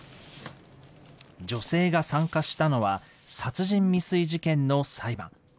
女性が参加したのは殺人未遂事件の裁判。